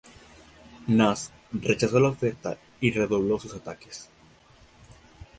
Nast rechazó la oferta y redobló sus ataques.